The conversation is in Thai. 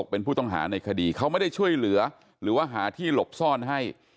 เป็นผู้ต้องหาในคดีเขาไม่ได้ช่วยเหลือหรือว่าหาที่หลบซ่อนให้